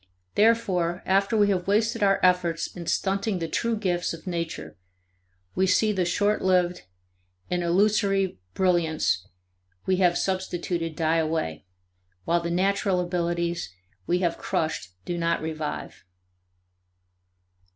Therefore after we have wasted our efforts in stunting the true gifts of nature we see the short lived and illusory brilliance we have substituted die away, while the natural abilities we have crushed do not revive."